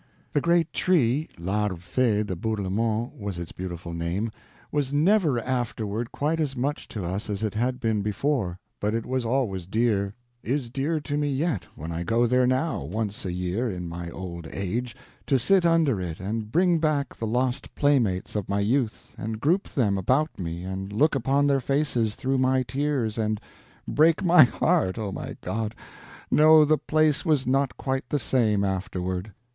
The great tree—l'Arbre Fee de Bourlemont was its beautiful name—was never afterward quite as much to us as it had been before, but it was always dear; is dear to me yet when I go there now, once a year in my old age, to sit under it and bring back the lost playmates of my youth and group them about me and look upon their faces through my tears and break my heart, oh, my God! No, the place was not quite the same afterward.